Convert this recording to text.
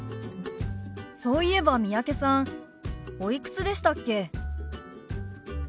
そういえば三宅さんおいくつでしたっけ？